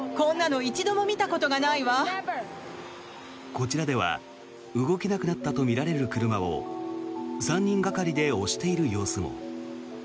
こちらでは動けなくなったとみられる車を３人がかりで押している様子も。